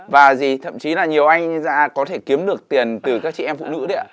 và gì thậm chí là nhiều anh có thể kiếm được tiền từ các chị em phụ nữ đấy ạ